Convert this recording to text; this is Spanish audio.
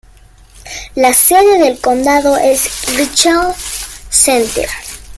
La sede del condado es Richland Center.